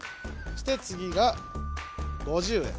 そしてつぎが５０円。